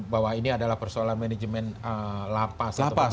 bahwa ini adalah persoalan manajemen lapas